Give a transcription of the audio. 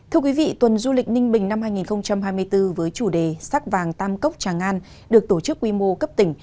thưa quý vị tuần du lịch ninh bình năm hai nghìn hai mươi bốn với chủ đề sắc vàng tam cốc tràng an được tổ chức quy mô cấp tỉnh